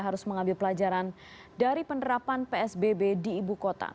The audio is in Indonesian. harus mengambil pelajaran dari penerapan psbb di ibu kota